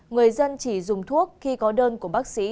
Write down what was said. người dân chỉ dùng thuốc khi có đơn của bác sĩ